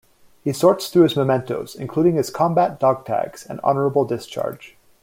He sorts through his mementos, including his combat dog tags and honorable discharge.